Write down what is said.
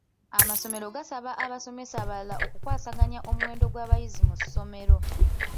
Amasomero gasaba abasomesa abalala okukwasaganya omuwendo gw'abayizi mu ssomero.